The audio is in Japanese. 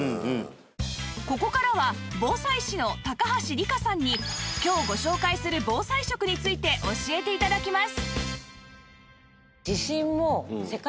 ここからは防災士の高橋利果さんに今日ご紹介する防災食について教えて頂きます